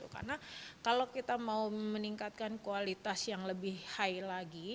karena kalau kita mau meningkatkan kualitas yang lebih high lagi